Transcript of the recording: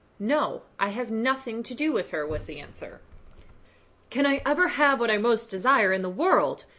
"No; have nothing to do with her," was the answer. "Can I ever have what I most desire in the world?